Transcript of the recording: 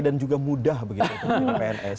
dan juga mudah begitu pns